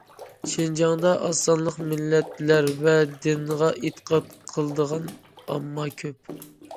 شىنجاڭدا ئاز سانلىق مىللەتلەر ۋە دىنغا ئېتىقاد قىلىدىغان ئامما كۆپ.